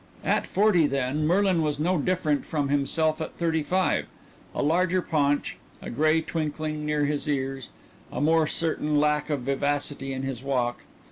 At forty, then, Merlin was no different from himself at thirty five; a larger paunch, a gray twinkling near his ears, a more certain lack of vivacity in his walk.